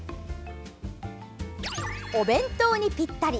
お弁当にぴったり！